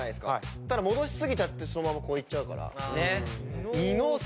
そしたら戻し過ぎちゃってそのままこう行っちゃうから。